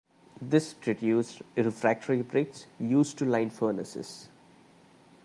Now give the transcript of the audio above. This produced refractory bricks, used to line furnaces.